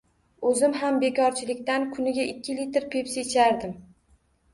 O‘zim ham bekorchilikdan kuniga ikki litr Pepsi ichardim.